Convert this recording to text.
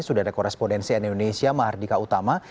sudah ada korespondensi nn indonesia mahardika utama